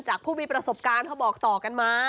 ผู้มีประสบการณ์เขาบอกต่อกันมา